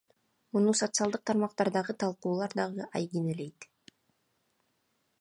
Муну социалдык тармактардагы талкуулар дагы айгинелейт.